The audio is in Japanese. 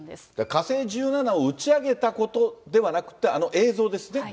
火星１７をうちあげたことではなくって、あの映像ですね。